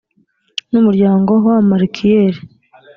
n umuryango w abamalikiyeli